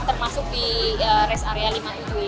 termasuk di res area lima puluh tujuh ini